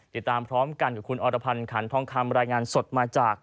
ติดตามพร้อมกันกับคุณอรพันธ์ขันทองคำรายงานสดมาจาก